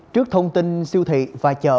trước thông tin siêu thị và chợ